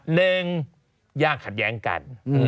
หนึ่งยากขัดแย้งกัน